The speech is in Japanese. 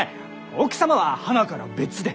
奥様ははなから別で！